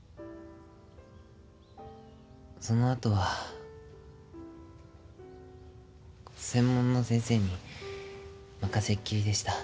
その後は専門の先生に任せっきりでした。